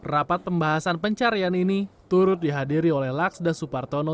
rapat pembahasan pencarian ini turut dihadiri oleh laksda supartono